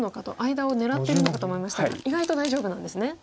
間を狙ってるのかと思いましたが意外と大丈夫なんですね。